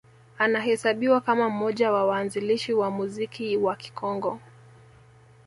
Anahesabiwa kama mmoja wa waanzilishi wa muziki wa Kikongo